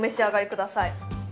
ください